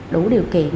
đủ điều kiện